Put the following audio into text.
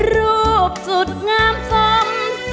รูปสุดงามซ้ำ